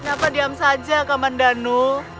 kenapa diam saja kaman danu